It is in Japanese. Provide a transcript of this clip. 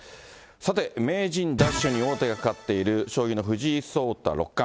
さて、名人奪取に王手がかかっている将棋の藤井聡太六冠。